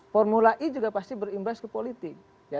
formula e juga pasti berimbas ke politik